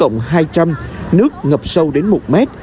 nước ngập sâu đến một m